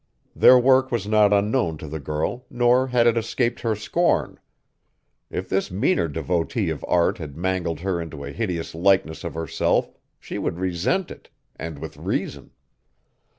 Their work was not unknown to the girl nor had it escaped her scorn. If this meaner devotee of art had mangled her into a hideous likeness of herself, she would resent it, and with reason.